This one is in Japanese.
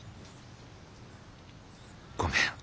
ごめん。